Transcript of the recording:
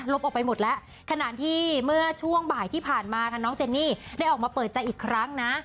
ออกไปหมดแล้วขณะที่เมื่อช่วงบ่ายที่ผ่านมาค่ะน้องเจนนี่ได้ออกมาเปิดใจอีกครั้งนะ